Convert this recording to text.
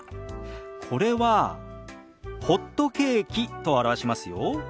これは「ホットケーキ」と表しますよ。